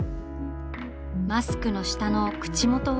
マスクの下の口元は？